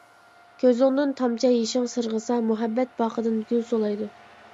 كۆزۈڭدىن تامچە يېشىڭ سىرغىسا، مۇھەببەت باقىدىن گۈل سۇلايدۇ.